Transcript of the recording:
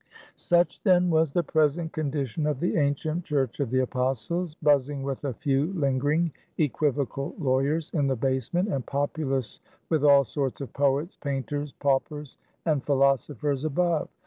Such, then, was the present condition of the ancient Church of the Apostles; buzzing with a few lingering, equivocal lawyers in the basement, and populous with all sorts of poets, painters, paupers and philosophers above.